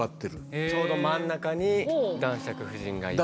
ちょうど真ん中に男爵夫人がいて。